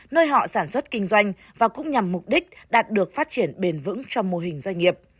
nơi họ sản xuất kinh doanh và cũng nhằm mục đích đạt được phát triển bền vững trong mô hình doanh nghiệp